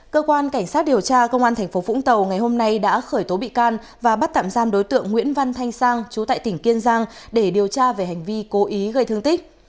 cơ quan cảnh sát điều tra công an tp vũng tàu ngày hôm nay đã khởi tố bị can và bắt tạm giam đối tượng nguyễn văn thanh sang chú tại tỉnh kiên giang để điều tra về hành vi cố ý gây thương tích